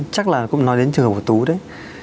chắc là cũng nói đến trường của tú đấy